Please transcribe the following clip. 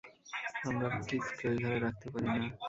আমরা কিফকে ওই ঘরে রাখতে পারি না।